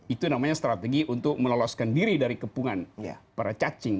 itu namanya strategi untuk meloloskan diri dari kepungan para cacing